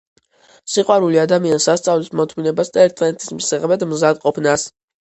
სიყვარული ადამიანს ასწავლის მოთმინებას და ერთმანეთის მისაღებად მზადყოფნას.